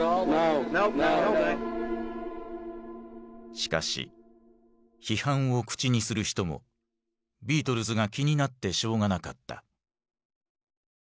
しかし批判を口にする人もビートルズが気になってしょうがなかった。